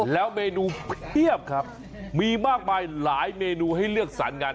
แล้วเมนูเพียบครับมีมากมายหลายเมนูให้เลือกสรรงาน